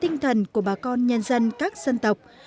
tinh thần của bà con nhân dân các dân tộc